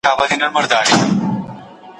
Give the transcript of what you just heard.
خوب له شپې، قرار وتلی دی له ورځي